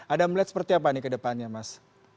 anda melihat seperti apa nih ke depannya mas